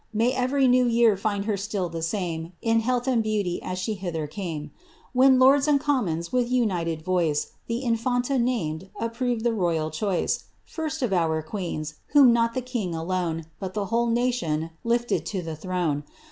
May every new year find her still the same, In health and beauty as she hither came, IVhen lords and commons, with united Toice, The infanta named — approved the royal choic«. First of our queens, wliom not the king alone, But the whole nation lided to the throne.